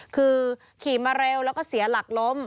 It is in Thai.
คือขี่มาเร็วแล้วก็เสียหลักล้ม